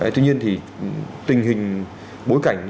tuy nhiên thì tình hình bối cảnh